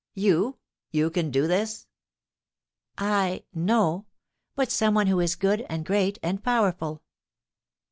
"You! You can do this?" "I! No; but some one who is good, and great, and powerful."